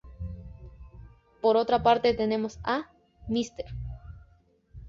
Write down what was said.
Por otra parte tenemos a "Mr.